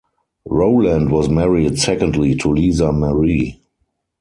Rowland was married secondly to Lisa Marie.